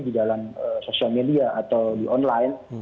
di dalam sosial media atau di online